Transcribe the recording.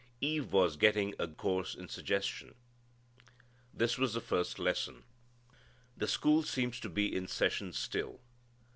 Eve was getting a course in suggestion. This was the first lesson. The school seems to be in session still.